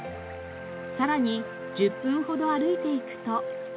さらに１０分ほど歩いていくと。